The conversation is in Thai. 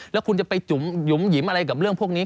แล้วคุณจะไปจุ๋มหิมอะไรกับเรื่องพวกนี้